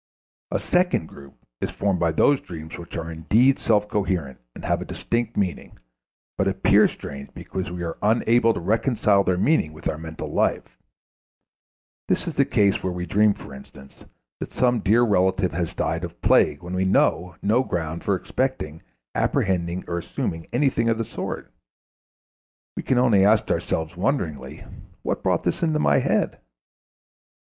A second group is formed by those dreams which are indeed self coherent and have a distinct meaning, but appear strange because we are unable to reconcile their meaning with our mental life. That is the case when we dream, for instance, that some dear relative has died of plague when we know of no ground for expecting, apprehending, or assuming anything of the sort; we can only ask ourself wonderingly: "What brought that into my head?"